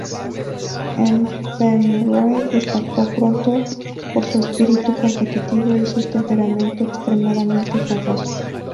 McEnroe destacó pronto por su espíritu competitivo y su temperamento extremadamente fogoso.